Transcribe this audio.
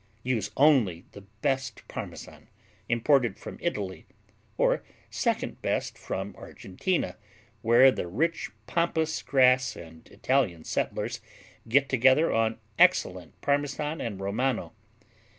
Use only the best Parmesan, imported from Italy; or, second best, from Argentina where the rich pampas grass and Italian settlers get together on excellent Parmesan and Romano.